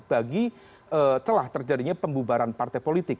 bagi telah terjadinya pembubaran partai politik